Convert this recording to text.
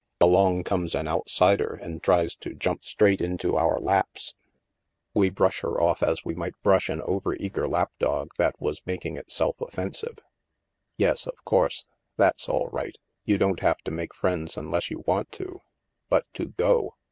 Along comes an outsider and tries to jump straight into our laps. We brush her 2s8 THE MASK off as we might brush an over eager lap dog that was making itself offensive." " Yes, of course. That's all right. You don't have to make friends unless you want to. But to go